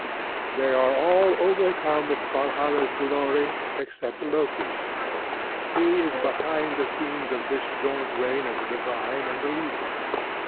They are all overcome with Valhalla's glory except Loki. He is behind the scenes of this joint reign of the Divine and the Legal.